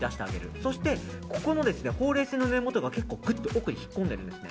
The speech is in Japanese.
そしてここのほうれい線の根本が結構、ぐっと奥に引っ込んでいるんですね。